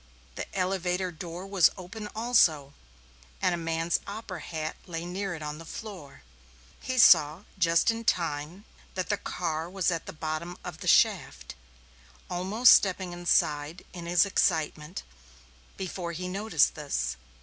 The elevator door was open also, and a man's opera hat lay near it on the floor; he saw, just in time, that the car was at the bottom of the shaft, almost stepping inside, in his excitement, before he noticed this.